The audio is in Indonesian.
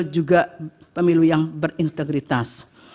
juga pemilu yang berintegritas